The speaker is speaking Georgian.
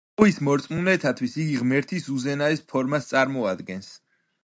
თავის მორწმუნეთათვის იგი ღმერთის უზენაეს ფორმას წარმოადგენს.